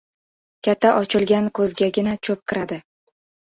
• Katta ochilgan ko‘zgagina cho‘p kiradi.